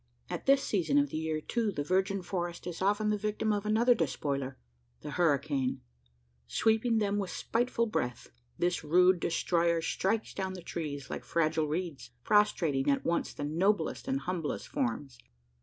At this season of the year, too, the virgin forest is often the victim of another despoiler the hurricane. Sweeping them with spiteful breath, this rude destroyer strikes down the trees like fragile reeds prostrating at once the noblest and humblest forms.